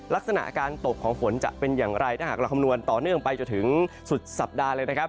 ลักษณะการตกของฝนจะเป็นอย่างไรถ้าหากเราคำนวณต่อเนื่องไปจนถึงสุดสัปดาห์เลยนะครับ